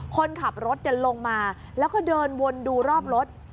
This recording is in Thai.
คนขับรถลงมาแล้วก็เดินวนดูรอบรถ